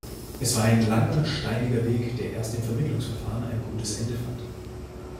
Es war ein langer, steiniger Weg, der erst im Vermittlungsverfahren ein gutes Ende fand.